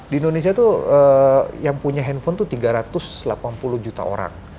di indonesia tuh yang punya handphone tuh tiga ratus delapan puluh juta orang